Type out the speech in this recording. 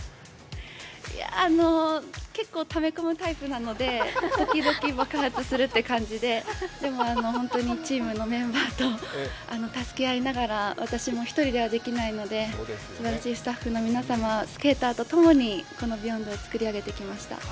いやぁ、結構ため込むタイプなので、時々爆発するって感じで、でも本当にチームのメンバーと助け合いながら私も１人ではできないのですばらしいスタッフの皆様、スケーターとともにこの「ＢＥＹＯＮＤ」を作り上げてきました。